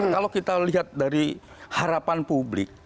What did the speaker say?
kalau kita lihat dari harapan publik